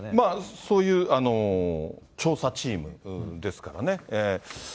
そういう調査チームですからね。